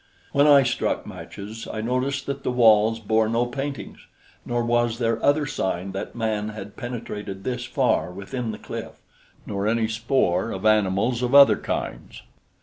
When I struck matches, I noticed that the walls bore no paintings; nor was there other sign that man had penetrated this far within the cliff, nor any spoor of animals of other kinds.